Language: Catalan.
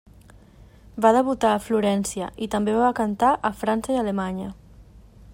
Va debutar a Florència, i també va cantar a França i Alemanya.